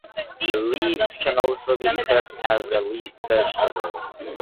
The leaves can also be cooked as a leaf vegetable.